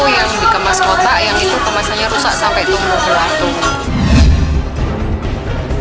yang dikemas kotak yang itu kemasannya rusak sampai tumbuh ke laut